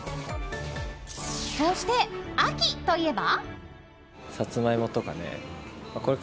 そして、秋といえば。